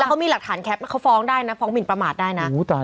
แต่เขามีหลักฐานแคปเขาฟ้องได้นะฟ้องหมินประมาทได้นะ